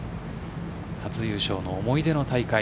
初優勝の思い出の大会。